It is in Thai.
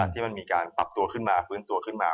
ที่มันมีการปรับตัวขึ้นมาฟื้นตัวขึ้นมา